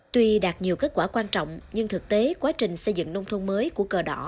tuy đạt nhiều kết quả quan trọng nhưng thực tế quá trình xây dựng nông thôn mới của cờ đỏ